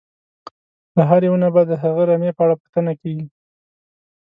له هر یوه نه به د هغه رمې په اړه پوښتنه کېږي.